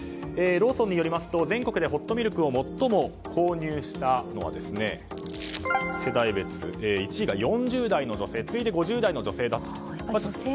ローソンによりますと全国でホットミルクを最も購入したのは世代別ですと１位が４０代女性次いで５０代の女性だと。